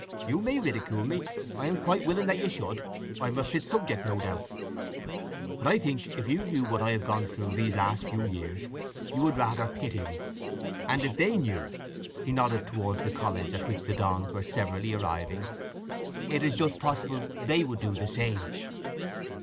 You may ridicule me—I am quite willing that you should—I am a fit subject, no doubt. But I think if you knew what I have gone through these last few years you would rather pity me. And if they knew"—he nodded towards the college at which the dons were severally arriving—"it is just possible they would do the same."